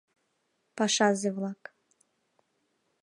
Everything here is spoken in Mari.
Пашазе-влак.